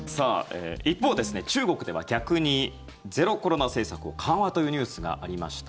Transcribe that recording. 一方、中国では逆にゼロコロナ政策を緩和というニュースがありました。